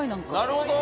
なるほど。